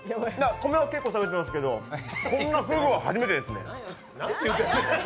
米は結構食べてますけどこんなふぐは初めてですね。